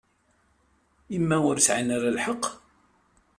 I ma ur sɛin ara lḥeqq?